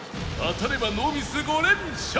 当たればノーミス５連勝！